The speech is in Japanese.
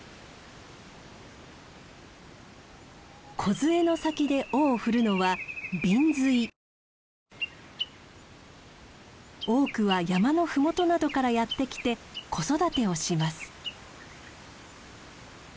梢の先で尾を振るのは多くは山の麓などからやって来て子育てをします。